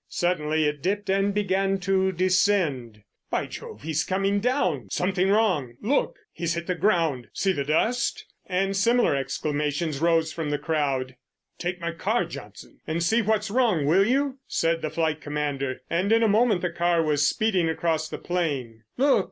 Suddenly it dipped and began to descend. "By Jove, he's coming down. Something wrong—look! He's hit the ground—see the dust?" And similar exclamations rose from the crowd. "Take my car, Johnson, and see what's wrong, will you?" said the Flight Commander—and in a moment the car was speeding across the plain. "Look!